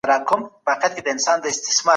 د لويي جرګې غړي خپلو کورونو ته څه پیغام وړي؟